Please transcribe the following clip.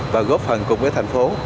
và góp phần cùng với thành phố